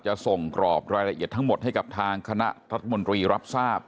จะส่งกรอบรายละเอียดทั้งหมดให้กับทางคณะรัฐมนตรีรับทราบ